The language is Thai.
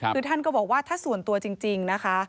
คือท่านก็บอกว่าถ้าส่วนตัวจริงนะคะ